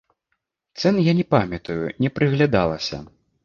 Цэн я не памятаю, не прыглядалася.